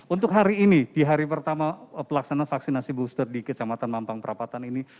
untuk hari ini di hari pertama pelaksanaan vaksinasi booster di kecamatan mampang perapatan ini